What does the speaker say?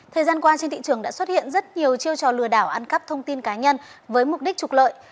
thời gian qua trên thị trường đã xuất hiện rất nhiều chiêu trò lừa đảo ăn cắp thông tin cá nhân với mục đích trục lợi